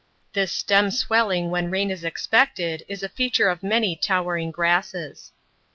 This stem swelling when rain is expected is a feature of many towering grasses.